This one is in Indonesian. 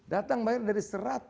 datang bayar dari